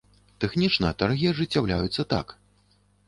Тэхнічна таргі ажыццяўляюцца так.